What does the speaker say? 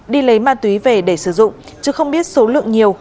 đi lấy ma túy về để sử dụng chứ không biết số lượng nhiều